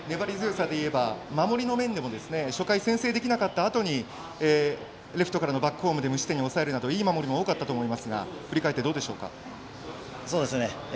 守りの面でも初回、先制できなかったあとレフトからのバックホームで無失点に抑えるなど、いい守りも多かったと思いますが振り返ってどうでしょう。